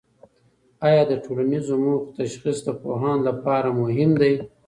آیا د ټولنیزو موخو تشخیص د پوهاند لپاره مهم دی؟